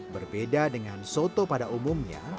berbeda dengan soto pada umumnya